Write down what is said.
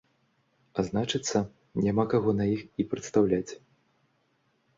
А значыцца няма каго на іх і прадстаўляць.